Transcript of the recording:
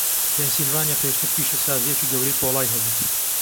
پێنسیلڤانیا پێشتر پیشەسازییەکی گەورەی پۆڵای هەبوو.